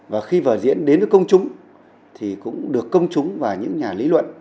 và khi vở diễn đến với công chúng thì cũng được công chúng và những nhà lý luận